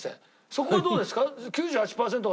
そこはどうですか？